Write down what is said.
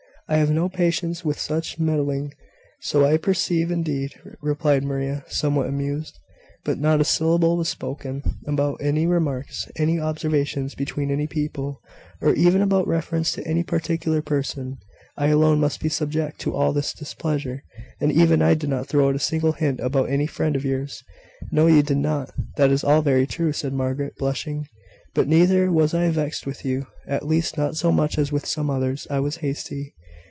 I have no patience with such meddling!" "So I perceive, indeed," replied Maria, somewhat amused. "But, Margaret, you have been enlarging a good deal on what I said. Not a syllable was spoken about any remarks, any observations between any people; or even about reference to any particular person. I alone must be subject to all this displeasure, and even I did not throw out a single hint about any friend of yours." "No, you did not; that is all very true," said Margaret, blushing: "but neither was I vexed with you; at least, not so much as with some others. I was hasty."